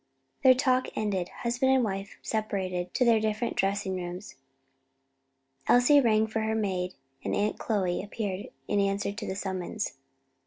Their talk ended, husband and wife separated to their different dressing rooms. Elsie rang for her maid and Aunt Chloe appeared in answer to the summons.